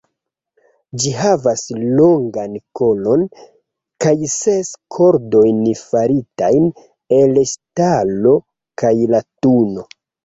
Ĝi havas longan kolon kaj ses kordojn faritajn el ŝtalo kaj latuno.